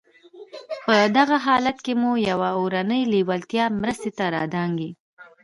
په دغه حالت کې مو يوه اورنۍ لېوالتیا مرستې ته را دانګي.